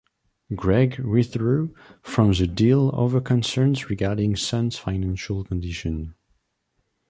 Gregg withdrew from the deal over concerns regarding Sun's financial condition.